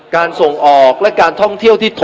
การส่งออกและการท่องเที่ยวที่ถดถอยลง